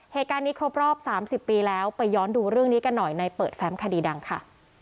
เหตุการณ์นี้ครบรอบ๓๐ปีแล้วไปย้อนดูเรื่องนี้กันหน่อยในเปิดแฟมคดีดังค่ะ